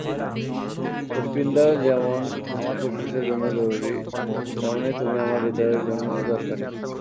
পুষ্পিন্দার যেমন আমার ফুসফুসের জন্য জরুরী, তেমনই তুমি আমার হৃদয়ের জন্য দরকারী!